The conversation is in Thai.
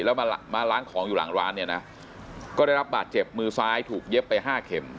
แล้วมาล้างของอยู่หลังร้านเนี่ยนะก็ได้รับบาดเจ็บมือซ้ายถูกเย็บไปห้าเข็ม